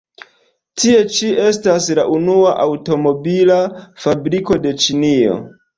Tie ĉi estas la unua aŭtomobila fabriko de Ĉinio.